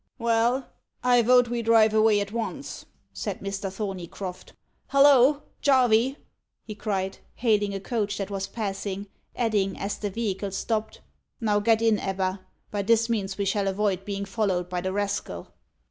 "Well, I vote we drive away at once," said Mr. Thorneycroft. "Halloa! jarvey!" he cried, hailing a coach that was passing; adding, as the vehicle stopped, "Now get in, Ebba. By this means we shall avoid being followed by the rascal."